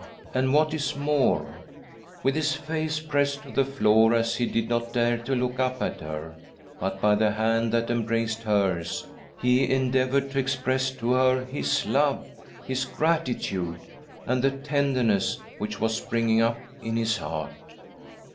and what is more, with his face pressed to the floor, as he did not dare to look up at her, but, by the hand that embraced hers, he endeavoured to express to her his love, his gratitude, and ■M ''■'• 128 THY SOUL SHALL BEAR WITNESS ! the tenderness which was springing up in his heart.